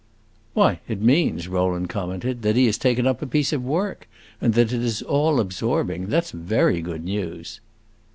"Why, it means," Rowland commented, "that he has taken up a piece of work, and that it is all absorbing. That 's very good news."